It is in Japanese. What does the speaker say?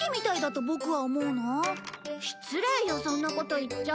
失礼よそんなこと言っちゃ。